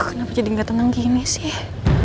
kenapa jadi nggak tenang gini sih